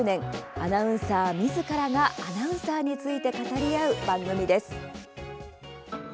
アナウンサーみずからがアナウンサーについて語り合う番組です。